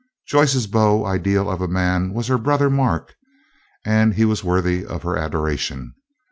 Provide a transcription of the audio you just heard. Joyce's beau ideal of a man was her brother Mark, and he was worthy of her adoration.